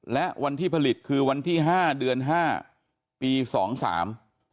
และวันที่ผลิตคือวันที่ห้าเดือนห้าปีสองสาม